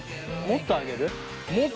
もっと上げる？